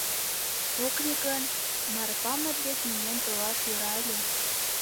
Ок лий гын, Марпамыт дек миен толаш йӧра ыле...